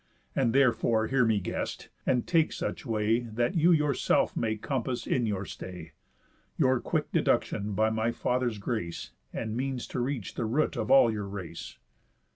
And therefore hear me, guest, and take such way, That you yourself may compass, in your stay, Your quick deduction by my father's grace, And means to reach the root of all your race.